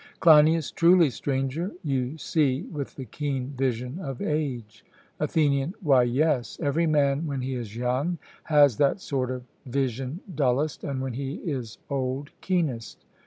CLEINIAS: Truly, Stranger, you see with the keen vision of age. ATHENIAN: Why, yes; every man when he is young has that sort of vision dullest, and when he is old keenest.